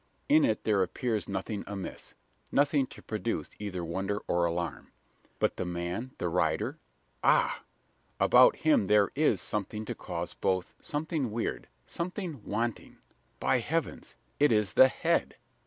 In it there appears nothing amiss nothing to produce either wonder or alarm. But the man the rider? Ah! About him there is something to cause both something weird something wanting! By heavens! it is the head!